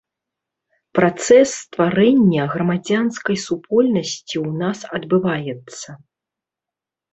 Працэс стварэння грамадзянскай супольнасці ў нас адбываецца.